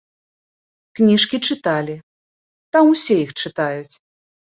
Кніжкі чыталі, там усе іх чытаюць.